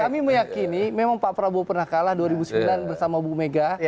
kami meyakini memang pak prabowo pernah kalah dua ribu sembilan bersama bu mega